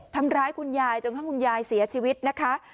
ทำร้ายคุณยายจนทั้งคุณยายเสียชีวิตนะคะ